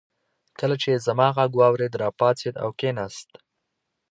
کله چې يې زما غږ واورېد راپاڅېد او کېناست.